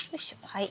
はい。